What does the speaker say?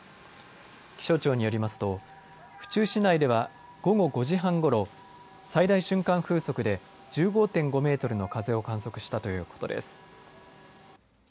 気象庁によりますと府中市内では、午後５時半ごろ最大瞬間風速で１５．５メートルの風を観測したということです。